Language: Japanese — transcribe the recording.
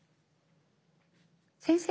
先生？